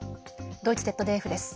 ドイツＺＤＦです。